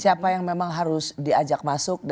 siapa yang memang harus diajak masuk